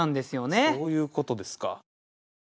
そういうことですか。